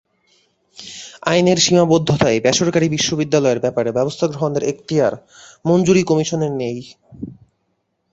আইনের সীমাবদ্ধতায় বেসরকারি বিশ্ববিদ্যালয়ের ব্যাপারে ব্যবস্থা গ্রহণের এখতিয়ার মঞ্জুরি কমিশনের নেই।